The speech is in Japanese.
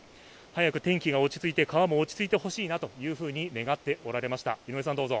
早く天気が落ち着いて川も落ち着いてほしいと願っておられました。